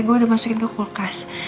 gue udah masukin ke kulkas